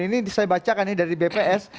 ini saya bacakan ini dari bps